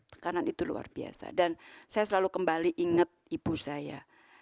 tekanan itu luar biasa dan saya selalu kembali ingat ibu saya